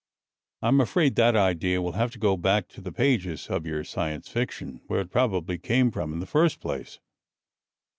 I'm afraid that idea will have to go back to the pages of your science fiction, where it probably came from in the first place."